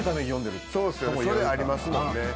それありますもんね。